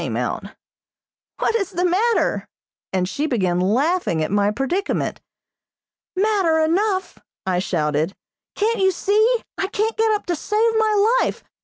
came out. "What is the matter?" and she began laughing at my predicament. "Matter enough!" I shouted. "Can't you see? I can't get up to save my life.